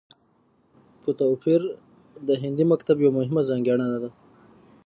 په توپير د هندي مکتب يوه مهمه ځانګړنه ده